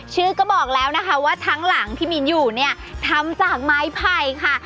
ชื่อก็บอกแล้วนะคะว่าทั้งหลังที่มินอยู่เนี่ยทำจากไม้ไผ่ค่ะ